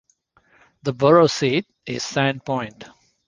The borough seat is Sand Point.